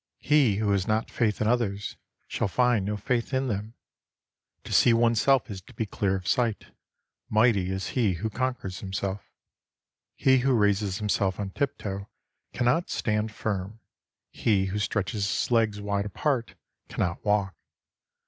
He who has not faith in others shall find no faith in them. To see oneself is to be clear of sight. Mighty is he who conquers himself. He who raises himself on tiptoe cannot stand firm ; he who stretches his legs wide apart cannot walk.